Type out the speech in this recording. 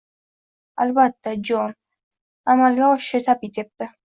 — Albatta, Jon, amalga oshishi tabiiy, — dedi.